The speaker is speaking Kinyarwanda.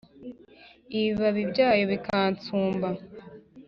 ibibabi byayo bikansumba